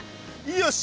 よし！